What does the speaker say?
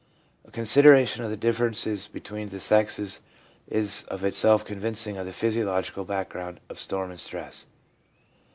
A consideration of the differences between the sexes is of itself convincing of the physiological background of storm and stress.